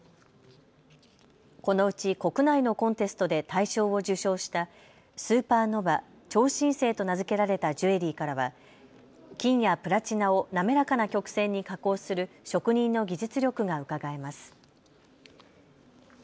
このうち国内のコンテストで大賞を受賞したＳｕｐｅｒｎｏｖａ・超新星と名付けられたジュエリーからは、金やプラチナを滑らかな曲線に加工する職人の技術力がうかがえます。